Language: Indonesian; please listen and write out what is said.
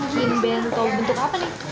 bikin bento bentuk apa nih beruang